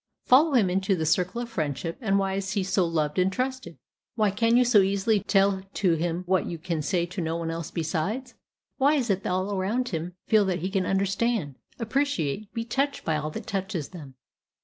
Follow him into the circle of friendship, and why is he so loved and trusted? Why can you so easily tell to him what you can say to no one else besides? Why is it that all around him feel that he can understand, appreciate, be touched by all that touches them?